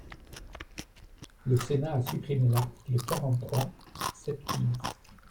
Le Sénat a supprimé l’article quarante-trois septies.